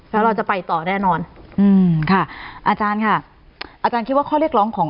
แล้วเราจะไปต่อแน่นอนอืมค่ะอาจารย์ค่ะอาจารย์คิดว่าข้อเรียกร้องของ